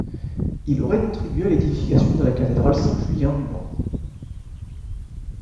Il aurait contribué à l'édification de la cathédrale Saint-Julien du Mans.